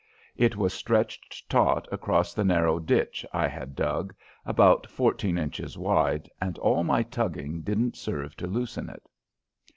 It was stretched taut across the narrow ditch I had dug about fourteen inches wide and all my tugging didn't serve to loosen it.